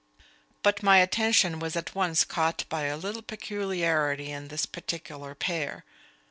But my attention was at once caught by a little peculiarity in this particular pair.